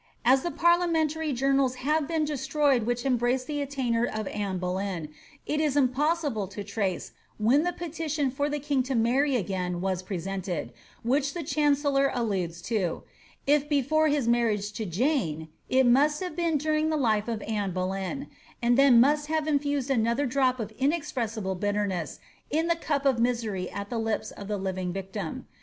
As the parliamentary journals have been destroyed which embrace the attainder of Anne Boleyn, it is impossible to trace when the petition for the king to marry again was presented, which the chancellor alludes to; if before his marriage to Jane, it must have been during the life of Anne Boleyn, and then must have infused another drop of inexpressible bitter ness in the cup of misery at the lips of the living victim.